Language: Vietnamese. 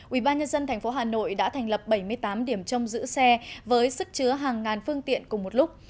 ubnd tp hà nội đã thành lập bảy mươi tám điểm trông giữ xe với sức chứa hàng ngàn phương tiện cùng một lúc